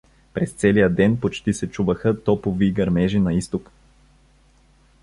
През целия ден почти се чуваха топовии гърмежи на изток.